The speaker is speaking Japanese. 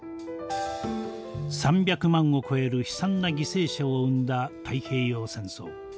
３００万を超える悲惨な犠牲者を生んだ太平洋戦争。